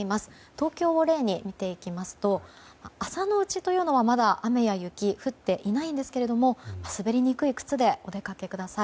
東京を例に見ていきますと朝のうちというのは、まだ雨や雪が降っていないんですが滑りにくい靴でお出かけください。